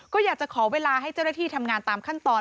ก็อยากจะขอเวลาให้เจ้าหน้าที่ทำงานตามขั้นตอน